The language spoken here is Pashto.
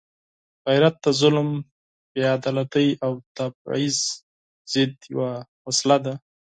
غیرت د ظلم، بېعدالتۍ او تبعیض ضد یوه وسله ده.